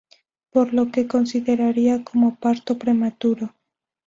Por lo que consideraría como parto prematuro.